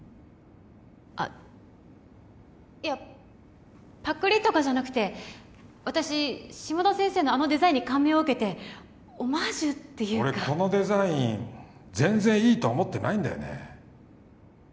あいやパクリとかじゃなくて私下田先生のあのデザインに感銘を受けてオマージュっていうか俺このデザイン全然いいと思ってないんだよね